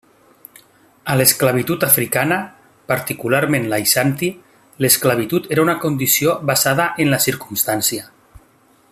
A l'esclavitud africana, particularment l'aixanti, l'esclavitud era una condició basada en la circumstància.